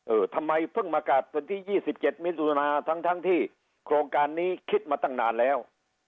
เออทำไมเพิ่งประกาศสันที่ยี่สิบเจ็ดมิถุนาทั้งที่โครงการนี้คิดมาตั้งนานแล้ว